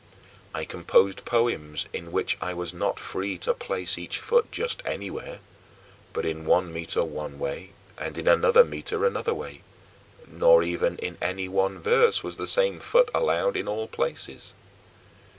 I composed poems, in which I was not free to place each foot just anywhere, but in one meter one way, and in another meter another way, nor even in any one verse was the same foot allowed in all places.